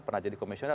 pernah jadi komisioner